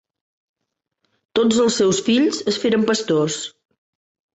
Tots els seus fills es feren pastors.